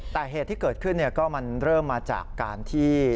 แต่เหตุที่เกิดขึ้นก็มันเริ่มมาจากการที่